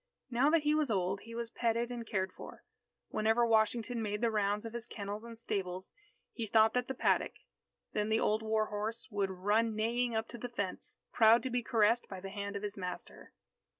Now that he was old, he was petted and cared for. Whenever Washington made the rounds of his kennels and stables, he stopped at the paddock. Then the old war horse would run neighing up to the fence, proud to be caressed by the hand of his master.